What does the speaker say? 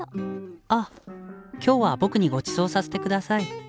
あっ今日は僕にごちそうさせて下さい。